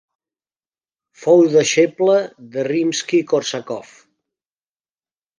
Fou deixeble de Rimski-Kórsakov.